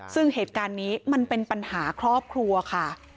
ซึ่งเหตุการณ์นี้มันเป็นปัญหาครอบครัวค่ะ